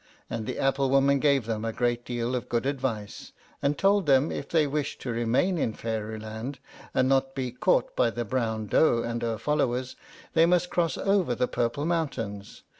And the apple woman gave them a great deal of good advice, and told them if they wished to remain in Fairyland, and not be caught by the brown doe and her followers, they must cross over the purple mountains.